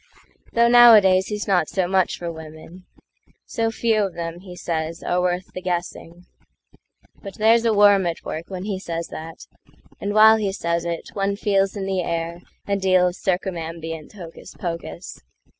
Though nowadays he's not so much for women:"So few of them," he says, "are worth the guessing."But there's a worm at work when he says that, And while he says it one feels in the airA deal of circumambient hocus pocus.